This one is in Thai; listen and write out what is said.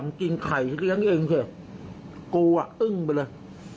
กินไข่เลี้ยงเองเถอะกูอ่ะอึ้งไปเลย